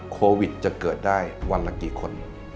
โควิดจะเกิดได้วันละกี่คน